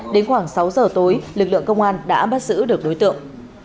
đến khoảng sáu giờ tối lực lượng công an đã bắt giữ được đối tượng